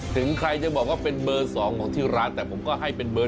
ถึงใครจะบอกว่าเป็นเบอร์๒ของที่ร้านแต่ผมก็ให้เป็นเบอร์